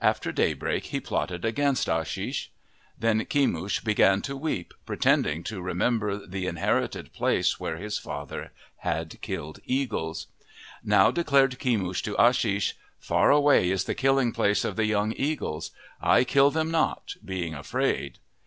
After daybreak he plotted against Ashish. Then Kemush began to weep, pretending to remember the inherited place 51 MYTHS AND LEGENDS where his father had killed eagles. Now declared Kemush to Ashish, " Far away is the killing place of the young eagles. I kill them not, being afraid."